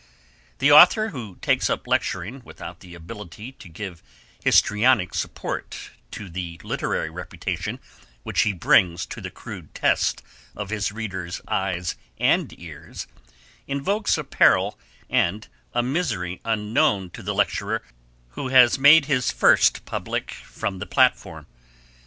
The author who takes up lecturing without the ability to give histrionic support to the literary reputation which he brings to the crude test of his reader's eyes and ears, invokes a peril and a misery unknown to the lecturer who has made his first public from the platform.